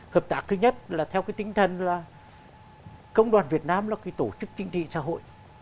hợp tác thứ nhất là theo cái tinh thần là công đoàn việt nam là cái tổ chức chính trị xã hội